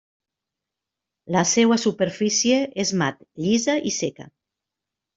La seua superfície és mat, llisa i seca.